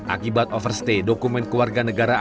akibat overstay dokumen keluarga negara